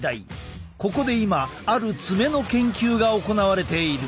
ここで今ある爪の研究が行われている。